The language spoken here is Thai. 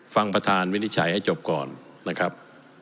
ฟังประธานวินิจฉัยให้จบก่อนนะครับ